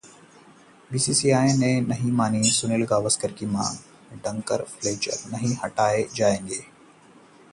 BCCI ने नहीं मानी सुनील गावस्कर की मांग, डंकन फ्लेचर नहीं हटाए जाएंगे